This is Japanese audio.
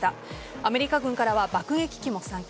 アメリカ軍からは爆撃機も参加。